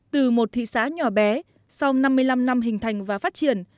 từ một thị xã nhỏ bé sau năm mươi năm năm hình thành và phát triển